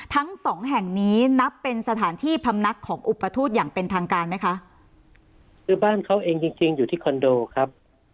ทั้งสองแห่งนี้นับเป็นสถานที่พำนักของอุปทูตอย่างเป็นทางการไหมคะคือบ้านเขาเองจริงจริงอยู่ที่คอนโดครับ